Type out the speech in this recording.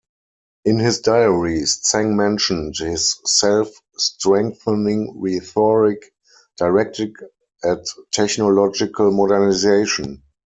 In his diaries, Zeng mentioned his self-strengthening rhetoric directed at technological modernization.